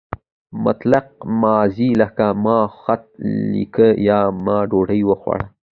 مطلق ماضي لکه ما خط ولیکه یا ما ډوډۍ وخوړه.